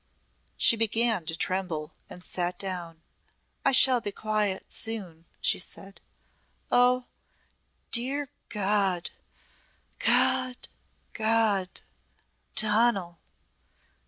She began to tremble and sat down. "I shall be quiet soon," she said. "Oh, dear God! God! God! Donal!"